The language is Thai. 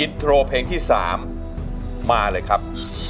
อินโทรเพลงที่๓มาเลยครับ